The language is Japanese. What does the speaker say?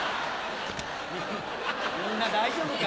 みんな大丈夫か。